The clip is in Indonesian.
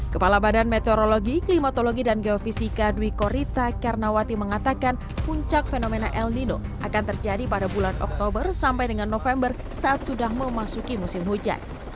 kepala badan meteorologi klimatologi dan geofisika dwi korita karnawati mengatakan puncak fenomena el nino akan terjadi pada bulan oktober sampai dengan november saat sudah memasuki musim hujan